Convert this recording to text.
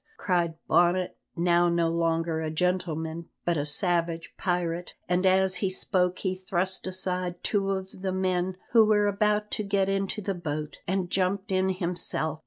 cried Bonnet, now no longer a gentleman, but a savage pirate, and as he spoke he thrust aside two of the men who were about to get into the boat, and jumped in himself.